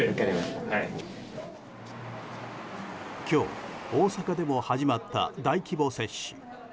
今日、大阪でも始まった大規模接種。